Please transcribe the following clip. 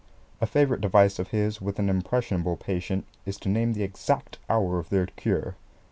A favourite device of his with an impressionable patient is to name the exact hour of their cure.